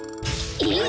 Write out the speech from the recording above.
えっ？